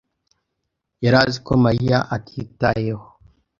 yari azi ko Mariya atitayeho.